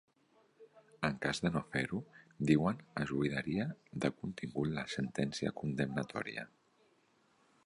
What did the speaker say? En cas de no fer-ho, diuen, es buidaria de contingut la sentència condemnatòria.